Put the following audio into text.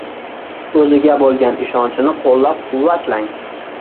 O‘ziga bo‘lgan ishonchini qo‘llab-quvvatlang.